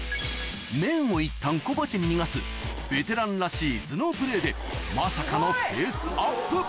麺をいったん小鉢に逃がすベテランらしい頭脳プレーでまさかのペースアップ